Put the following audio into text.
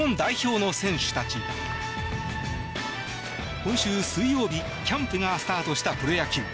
今週水曜日キャンプがスタートしたプロ野球。